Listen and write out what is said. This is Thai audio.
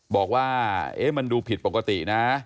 บอกว่ามันดูผิดปกตินะ